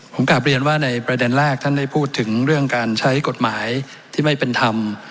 ผมกลับเรียนว่าในประเด็นแรกท่านได้พูดถึงเรื่องการใช้กฎหมายที่ไม่เป็นธรรม